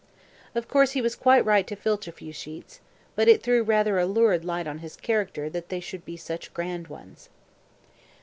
Of course he was quite right to filch a few sheets, but it threw rather a lurid light on his character that they should be such grand ones.